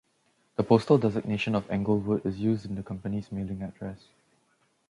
The postal designation of Englewood is used in the company's mailing address.